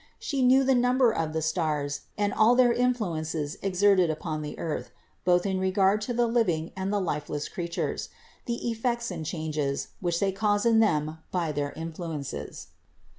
She knew the number of the stars, and all their influences exerted upon the earth, both in regard to the living and the lifeless creatures; the effects and changes, which they cause in them by these influences.